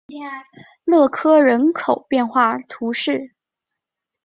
勒科人口变化图示